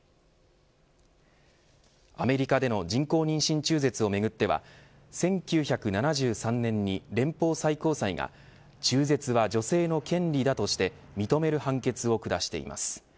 アメリカでの人工妊娠中絶をめぐっては１９７３年に連邦最高裁が中絶は女性の権利だとして認める判決を下しています。